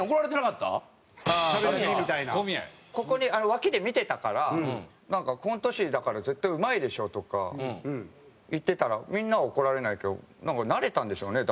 脇で見てたからなんかコント師だから絶対うまいでしょとか言ってたらみんなは怒られないけどなんか慣れたんでしょうね